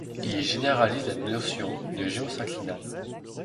Il y généralise la notion de géosynclinal.